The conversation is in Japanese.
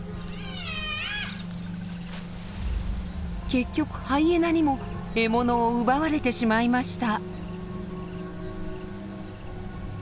結局ハイエナにも獲物を奪われてしまいました。